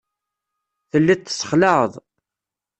Telliḍ tessexlaɛeḍ.